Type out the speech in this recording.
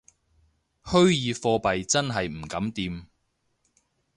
虛擬貨幣真係唔敢掂